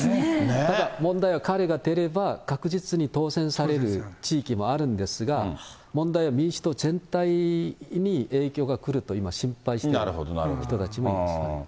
ただ問題は彼が出れば確実に当選される地域もあるんですが、問題は民主党全体に影響がくると今、心配している人たちもいますね。